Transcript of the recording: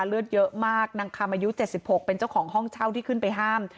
เลือดเยอะมากนางคำอายุ๗๖เป็นเจ้าของห้องเช่าที่ขึ้นไปห้าม